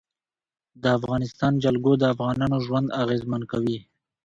د افغانستان جلکو د افغانانو ژوند اغېزمن کوي.